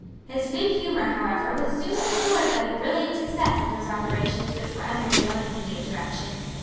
His good humour however was soon restored by the brilliant success of those operations which were under his own immediate direction.